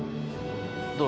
どう？